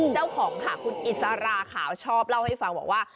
เจ้าของค่ะคุณอิสราขาวชอบเล่าให้ฟังบอกว่า